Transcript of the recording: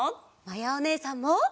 まやおねえさんも！